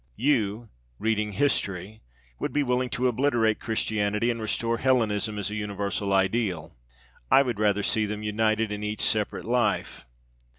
You, reading history, would be willing to obliterate Christianity and restore Hellenism as a universal ideal. I would rather see them united in each separate life.